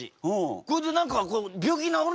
「これで何か病気治るんですか？」。